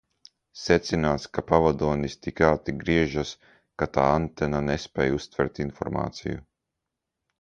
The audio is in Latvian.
Secināts, ka pavadonis tik ātri griežas, ka tā antena nespēj uztvert informāciju.